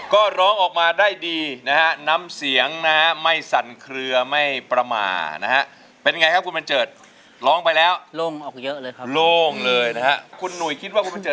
คุณบันเจิดร้องถูกหมดมั้ยครับ